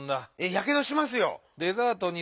⁉やけどしますよ！